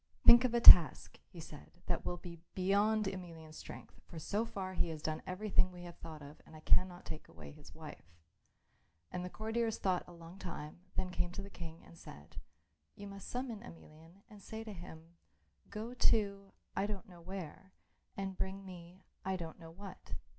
"Think of a task," he said, "that will be beyond Emelian's strength, for so far he has done everything we have thought of and I cannot take away his wife." And the courtiers thought for a long time, then came to the King and said, "You must summon Emelian and say to him, 'Go to I don't know where, and bring me I don't know what.